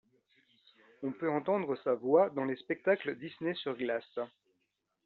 On peut entendre sa voix dans les spectacles Disney sur Glace.